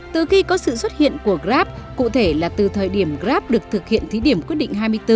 từ khi có sự xuất hiện của grab cụ thể là từ thời điểm grab được thực hiện thí điểm quyết định hai mươi bốn